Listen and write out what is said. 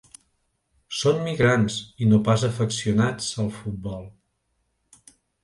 Són migrants i no pas afeccionats al futbol.